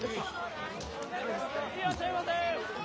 いらっしゃいませ！